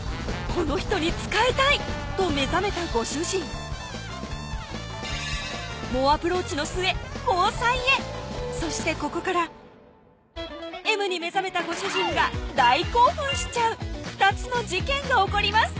この人に仕えたい！と目覚めたご主人猛アプローチの末交際へそしてここからＭに目覚めたご主人が大興奮しちゃう２つの事件が起こります